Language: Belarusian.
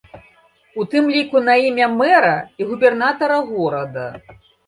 У тым ліку на імя мэра і губернатара горада.